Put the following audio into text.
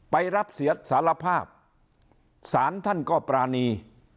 ไปรับเสียสารภาพศาลท่านก็ปรานี